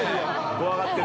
怖がってる。